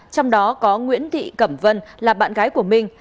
trong đó có nguyễn thị cẩm vân là bạn gái của mình